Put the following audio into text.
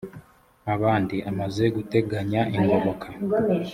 abandi amaze guteganya ingoboka